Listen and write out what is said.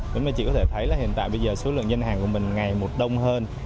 bên mình chỉ có thể thấy là hiện tại bây giờ số lượng dân hàng của mình ngày một đông hơn